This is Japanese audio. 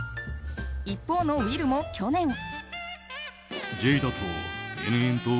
一方のウィルも去年。